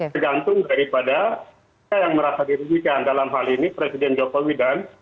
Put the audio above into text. tergantung daripada yang merasa dirugikan dalam hal ini presiden jokowi dan